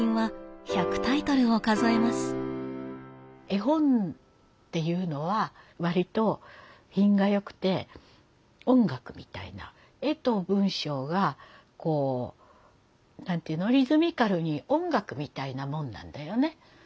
絵本っていうのは割と品がよくて音楽みたいな絵と文章がこう何て言うのリズミカルに音楽みたいなもんなんだよね。